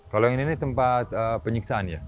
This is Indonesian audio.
kalau yang ini tempat penyiksaan ya